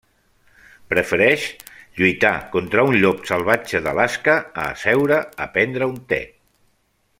Prefereix lluitar contra un llop salvatge d'Alaska a asseure a prendre un te.